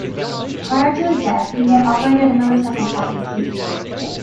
Prior to his death he had operated a motorcycle shop in Keith.